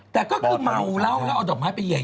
แต่ก็คือเมาเหล้าแล้วเอาดอกไม้ไปเย็น